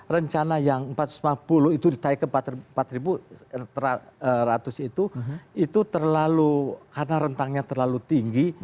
rencana yang empat ratus lima puluh itu ditaik ke empat seratus itu itu terlalu karena rentangnya terlalu tinggi